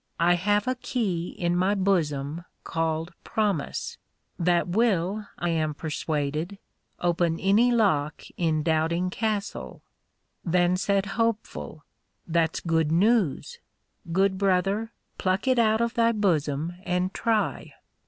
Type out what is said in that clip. I_ have a Key in my bosom called Promise, that will, I am persuaded, open any Lock in Doubting Castle. Then said Hopeful, That's good news; good Brother, pluck it out of thy bosom and try.